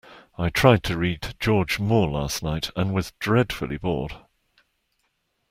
I tried to read George Moore last night, and was dreadfully bored.